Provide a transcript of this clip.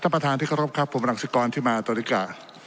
ท่านประธานที่เคารพครับผู้มันักศิกรที่มาตรฤกษ์